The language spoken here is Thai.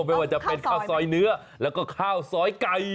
ไม่ว่าจะเป็นข้าวซอยเนื้อแล้วก็ข้าวซอยไก่